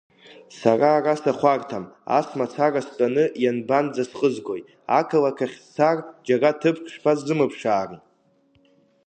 Сара ара сахәарҭам, ас мацара стәаны ианбанӡасхызгои, ақалақь ахь сцар, џьара ҭыԥк шԥасзымԥшаари…